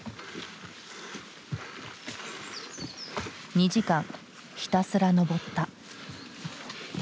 ２時間ひたすら登った。